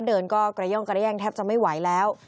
เดินก็กระย่องกระแย่งแทบจะไม่ไหวแล้ว